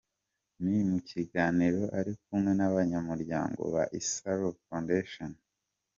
Ni mu kiganiro ari kumwe n’abanyamuryango ba Isaro Foundation, Dr.